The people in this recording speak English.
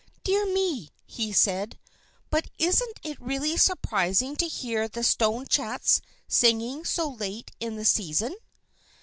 "Dear me!" said he, "but isn't it really surprising to hear the stone chats singing so late in the season!"